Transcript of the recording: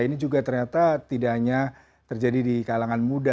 ini juga ternyata tidak hanya terjadi di kalangan muda